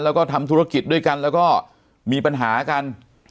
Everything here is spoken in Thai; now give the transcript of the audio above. แล้วก็ทำธุรกิจด้วยกันแล้วก็มีปัญหากัน